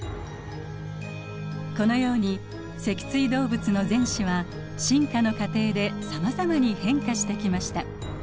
このように脊椎動物の前肢は進化の過程でさまざまに変化してきました。